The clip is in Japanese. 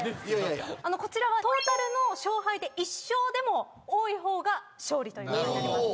こちらはトータルの勝敗で１勝でも多い方が勝利ということになります。